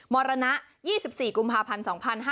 มรณะ๒๔กุมภาพันธ์๒๕๕๙